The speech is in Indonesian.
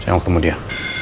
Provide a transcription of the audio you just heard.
saya mau ketemu dia